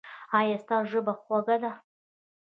ایا ستاسو ژبه خوږه ده؟